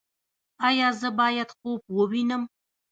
ایا زه باید خوب ووینم؟